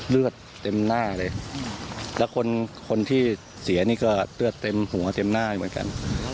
เลือดเต็มหน้าเลยแล้วคนคนที่เสียนี่ก็เลือดเต็มหัวเต็มหน้าเหมือนกัน